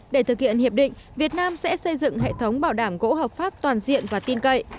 để thực hiện hiệp định việt nam sẽ xây dựng hệ thống bảo đảm gỗ hợp pháp toàn diện và tin cậy